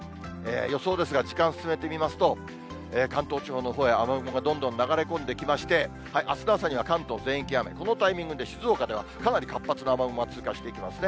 予想ですが、時間進めてみますと、関東地方のほうへ雨雲がどんどん流れ込んできまして、あすの朝には関東全域雨、このタイミングで静岡ではかなり活発な雨雲が通過していきますね。